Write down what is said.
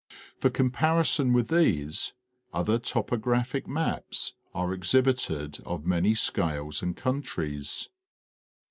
For com parison with these, other topographic maps are exhibited of many scales and countries.